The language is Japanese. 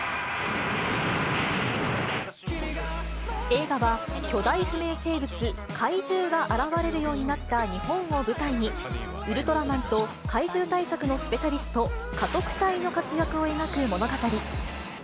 映画は、巨大不明生物、禍威獣が現れるようになった日本を舞台に、ウルトラマンと禍威獣対策のスペシャリスト、禍特対の活躍を描く物語。